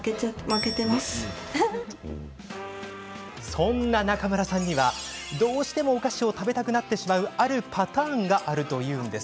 そんな中村さんには、どうしてもお菓子を食べたくなってしまうあるパターンがあるというんです。